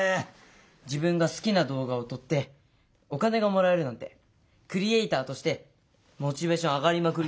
自分が好きな動画を撮ってお金がもらえるなんてクリエーターとしてモチベーション上がりまくりですよ！